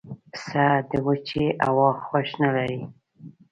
پسه د وچې هوا خوښ نه لري.